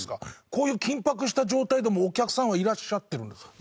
こういう緊迫した状態でもお客さんはいらっしゃってるんですか？